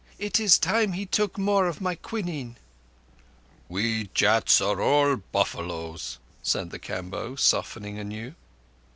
It is time he took more of my quinine." "We Jats are all buffaloes," said the Kamboh, softening anew.